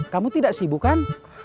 kamu tidak sibuk kan